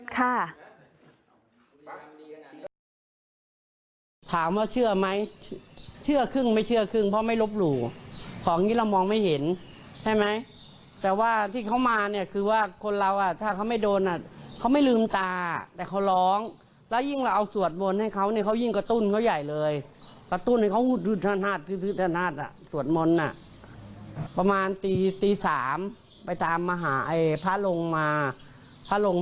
ถามว่าเชื่อไหมเชื่อครึ่งไม่เชื่อครึ่งเพราะไม่ลบหลู่ของอย่างนี้เรามองไม่เห็นใช่ไหมแต่ว่าที่เขามาเนี่ยคือว่าคนเราอ่ะถ้าเขาไม่โดนอ่ะเขาไม่ลืมตาแต่เขาร้องแล้วยิ่งเราเอาสวดมนต์ให้เขาเนี่ยเขายิ่งกระตุ้นเขาใหญ่เลยกระตุ้นให้เขานัดอ่ะสวดมนต์อ่ะประมาณตีตีสามไปตามมาหาไอ้พระลงมาพระลง